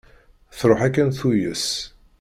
Truḥ akken tuyes.